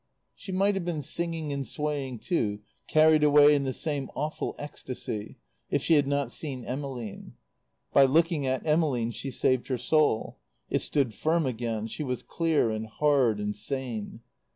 She might have been singing and swaying too, carried away in the same awful ecstasy, if she had not seen Emmeline. By looking at Emmeline she saved her soul; it stood firm again; she was clear and hard and sane.